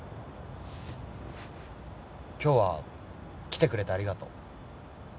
今日は来てくれてありがとう。